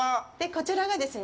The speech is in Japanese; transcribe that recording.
こちらがですね